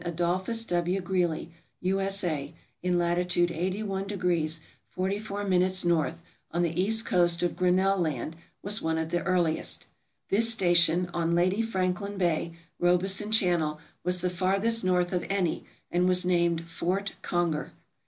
Adolphus W. Greely, U. S. A., in lat. 8i° 44/N., on the east coast of Grinnell Land, was one of the earliest. This station, on Lady Franklin Bay, Robeson Channel, was the farthest north of any, and was named Fort Conger.